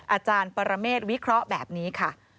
อาจารย์ปรเมฆวิเคราะห์แบบนี้ค่ะ